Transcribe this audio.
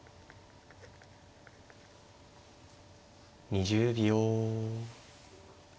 ２０秒。